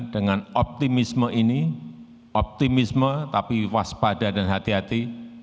dengan optimisme ini optimisme tapi waspada dan hati hati